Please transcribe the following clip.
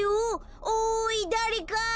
おいだれか！